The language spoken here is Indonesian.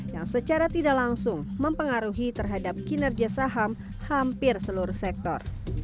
yang secara tidak langsung mempengaruhi terhadap kinerja saham hampir seluruh sektor